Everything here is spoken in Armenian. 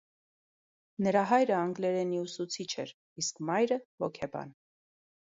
Նրա հայրը անգլերենի ուսուցիչ էր, իսկ մայրը՝ հոգեբան։